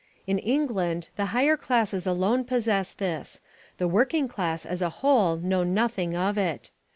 In England the higher classes alone possess this, the working class as a whole know nothing of it.